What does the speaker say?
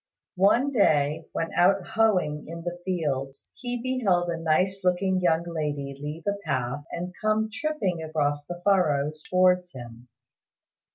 One day when out hoeing in the fields, he beheld a nice looking young lady leave the path and come tripping across the furrows towards him.